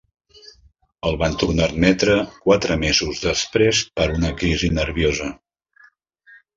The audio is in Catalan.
El van tornar a admetre quatre mesos després per una crisi nerviosa.